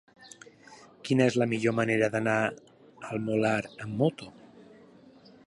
Quina és la millor manera d'anar al Molar amb moto?